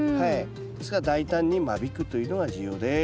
ですから大胆に間引くというのが重要です。